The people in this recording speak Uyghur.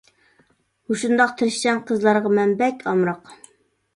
مۇشۇنداق تىرىشچان قىزلارغا مەن بەك ئامراق!